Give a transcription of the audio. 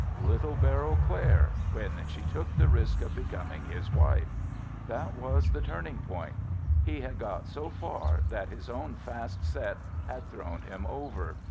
"Little Beryl Clare, when she took the risk of becoming his wife. That was the turning point. He had got so far that his own fast set had thrown him over.